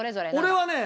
俺はね